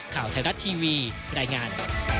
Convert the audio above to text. ข่าวไทยรัฐทีวีรายงาน